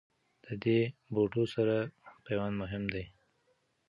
د دې بوټو سره پیوند مهم دی.